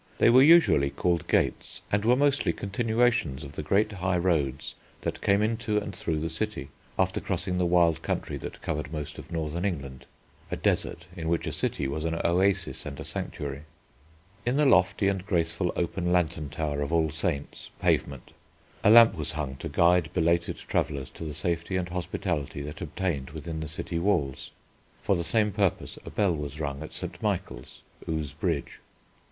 They were usually called gates and were mostly continuations of the great high roads that came into and through the city, after crossing the wild country that covered most of northern England, a desert in which a city was an oasis and a sanctuary. In the lofty and graceful open lantern tower of All Saints, Pavement, a lamp was hung to guide belated travellers to the safety and hospitality that obtained within the city walls. For the same purpose a bell was rung at St. Michael's, Ouse Bridge.